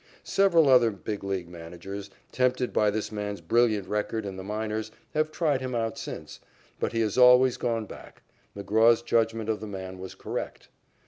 Several other Big League managers, tempted by this man's brilliant record in the minors, have tried him out since, but he has always gone back. McGraw's judgment of the man was correct.